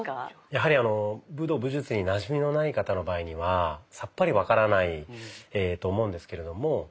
やはり武道・武術になじみのない方の場合にはさっぱり分からないと思うんですけれども。